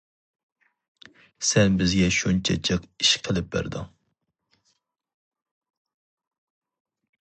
سەن بىزگە شۇنچە جىق ئىش قىلىپ بەردىڭ.